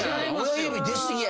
親指出過ぎやし。